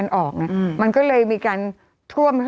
กรมป้องกันแล้วก็บรรเทาสาธารณภัยนะคะ